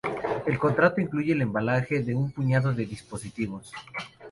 El contrato incluye el ensamblaje de un puñado de dispositivos.